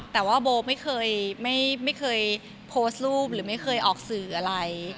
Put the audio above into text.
แต่ว่าโบไม่เคยไม่เคยโพสต์รูปหรือไม่เคยออกสื่ออะไร